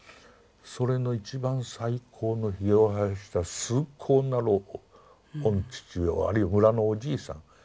それの一番最高のひげを生やした崇高な老父御父であり村のおじいさん。